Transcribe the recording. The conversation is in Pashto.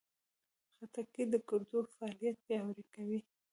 خټکی د ګردو فعالیت پیاوړی کوي.